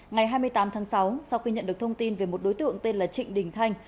ngày hai mươi tám tháng sáu sau khi nhận được thông tin về một đối tượng tên là trịnh đình thanh